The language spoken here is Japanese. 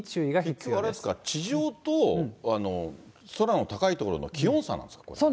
きょうあれですか、地上と空の高い所の気温差なんですか、これ。